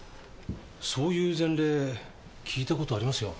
そういう前例聞いた事ありますよ。